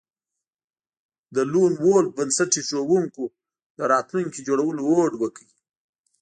د لون وولف بنسټ ایښودونکو د راتلونکي جوړولو هوډ وکړ